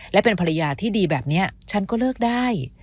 และเป็นภรรยาที่ดีแบบนี้ฉันก็เลิกได้